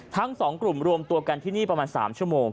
ทั้งสองกลุ่มรวมตัวกันที่นี่ประมาณ๓ชั่วโมง